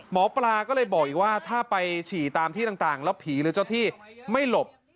หมอปลาก็เลยบอกอีกว่าถ้าไปฉี่ตามที่ต่างแล้วผีหรือเจ้าที่ไม่หลบ